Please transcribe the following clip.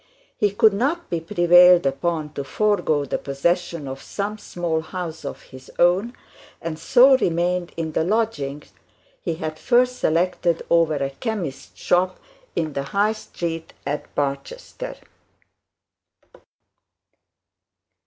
He could not be prevailed upon to forego the possession of some small house of his own, and so remained in the lodgings he had first selected over a chemist's shop in the High Street at Barchester.